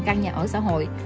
hai mươi tám căn nhà ở xã hội